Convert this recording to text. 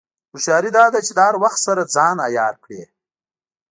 هوښیاري دا ده چې د هر وخت سره ځان عیار کړې.